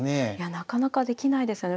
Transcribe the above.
なかなかできないですね